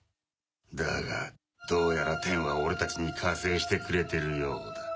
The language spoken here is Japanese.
だがどうやら天は俺たちに加勢してくれてるようだ。